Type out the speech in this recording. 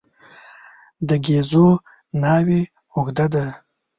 د ګېزو ناوې اوږده ده.